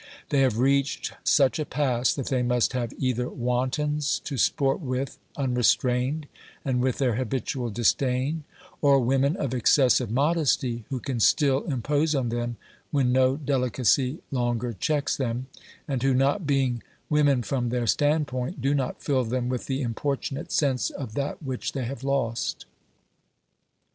They have reached such a pass that they must have either wantons to sport with unrestrained, and with their habitual disdain, or women of excessive modesty who can still impose on them when no delicacy longer checks them, and who, not being women from their standpoint, do not fill them with the importunate sense of that which they have lost.